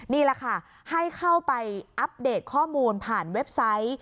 นี่แหละค่ะให้เข้าไปอัปเดตข้อมูลผ่านเว็บไซต์